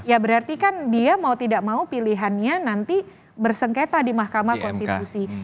ya berarti kan dia mau tidak mau pilihannya nanti bersengketa di mahkamah konstitusi